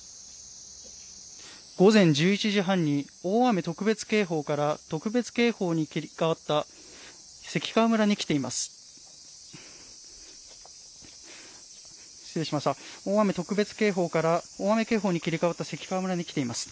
午前１１時半に大雨特別警報から特別警報に切り替わった関川村に来ています。